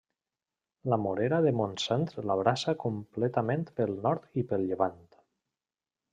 La Morera de Montsant l'abraça completament pel nord i per llevant.